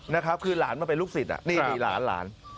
นะครับคือหลานมาเป็นลูกศิษย์นี่หลานหลาน